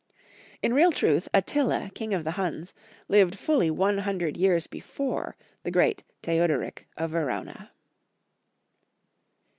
In real truth, Attila, king of the Huns, lived fully one hundred yeai's before the great Theude rick of Verona.